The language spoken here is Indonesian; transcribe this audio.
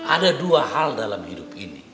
ada dua hal dalam hidup ini